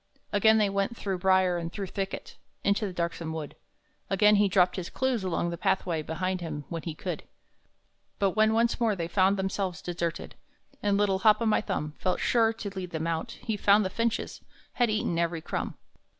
Again they went, through brier and through thicket, Into the darksome wood; Again he dropped his clues along the pathway Behind him when he could. But when once more they found themselves deserted, And little Hop o' my Thumb Felt sure to lead them out, he found the finches Had eaten every crumb!